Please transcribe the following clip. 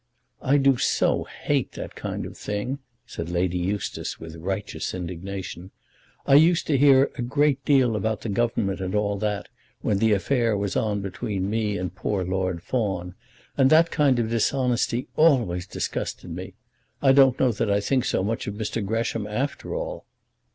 "I do so hate that kind of thing," said Lady Eustace, with righteous indignation; "I used to hear a great deal about Government and all that when the affair was on between me and poor Lord Fawn, and that kind of dishonesty always disgusted me. I don't know that I think so much of Mr. Gresham after all."